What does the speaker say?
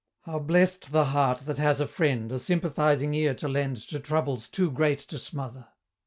How bless'd the heart that has a friend A sympathising ear to lend To troubles too great to smother!